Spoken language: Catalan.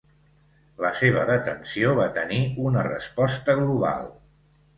La seva detenció va tenir una resposta global.